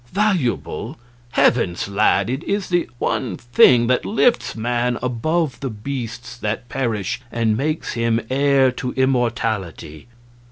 "Valuable? Heavens! lad, it is the one thing that lifts man above the beasts that perish and makes him heir to immortality!"